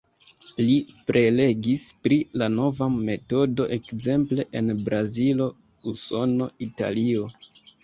Li prelegis pri la nova metodo ekzemple en Brazilo, Usono, Italio.